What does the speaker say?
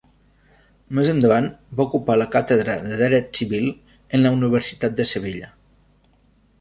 Més endavant va ocupar la Càtedra de Dret Civil en la Universitat de Sevilla.